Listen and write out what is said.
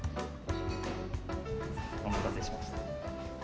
お待たせしました。